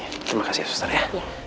ya sini terima kasih ya suster ya